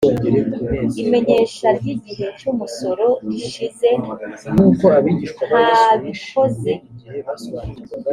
imenyesha ry’igihe cy’umusoro rishize ntabikoze